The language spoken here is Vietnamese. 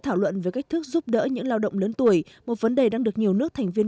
thảo luận về cách thức giúp đỡ những lao động lớn tuổi một vấn đề đang được nhiều nước thành viên